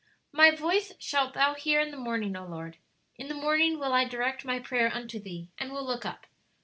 "My voice shalt thou hear in the morning, O Lord; in the morning will I direct my prayer unto thee, and will look up."